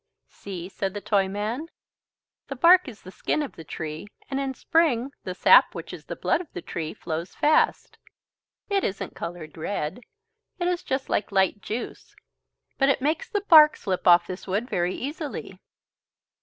"See," said the Toyman, "the bark is the skin of the tree and in spring the sap which is the blood of the tree flows fast. It isn't coloured red, it is just like light juice, but it makes the bark slip off this wood very easily."